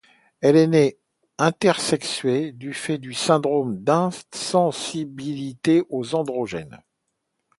Elle est née intersexuée, du fait d'un syndrome d'insensibilité aux androgènes.